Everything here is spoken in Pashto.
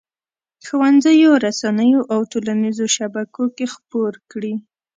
ښوونځیو، رسنیو او ټولنیزو شبکو کې خپور کړي.